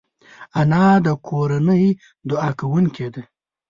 انا د کورنۍ دعا کوونکې ده